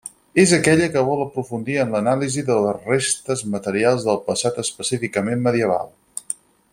És aquella que vol aprofundir en l'anàlisi de les restes materials del passat específicament medieval.